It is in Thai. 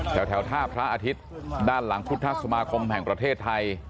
แถวท่าพระอาทิตย์ด้านหลังพุทธสมาคมแห่งประเทศไทย